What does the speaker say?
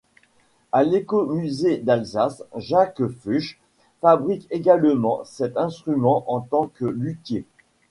À l'Ecomusée d'Alsace, Jacques Fuchs fabrique également cet instrument en tant que luthier.